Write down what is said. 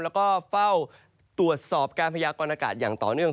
แล้วก็เฝ้าตรวจสอบการพยากรณากาศอย่างต่อเนื่อง